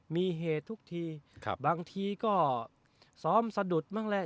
มีเหตุทุกทีบางทีก็ซ้อมสะดุดบ้างแหละ